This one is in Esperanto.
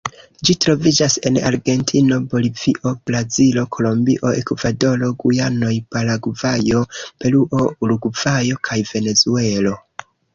Ĝi troviĝas en Argentino, Bolivio, Brazilo, Kolombio, Ekvadoro, Gujanoj, Paragvajo, Peruo, Urugvajo kaj Venezuelo.